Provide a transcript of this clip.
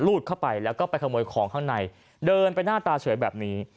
เข้าไปแล้วก็ไปขโมยของข้างในเดินไปหน้าตาเฉยแบบนี้